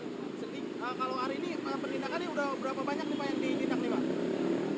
kalau hari ini perlindakan ini udah berapa banyak yang diindahkan